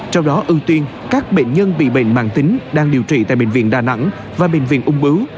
trong đó ưu tiên các bệnh nhân bị bệnh mạng tính đang điều trị tại bệnh viện đà nẵng và bệnh viện ung bướu